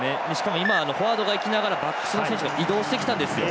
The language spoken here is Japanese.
フォワードが行きながらバックスが移動してきたんですよ。